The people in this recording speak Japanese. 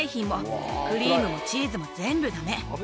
クリームもチーズも全部ダメ。